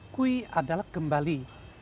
kui adalah kembali